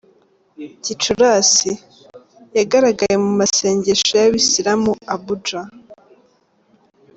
Gicurasi: Yagaragaye mu masengesho y’ abayisilamu Abuja.